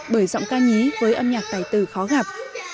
bởi giọng ca nhí với âm nhạc tài tử khó gặp